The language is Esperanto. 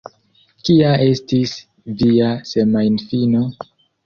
Kia estis via semajnfino?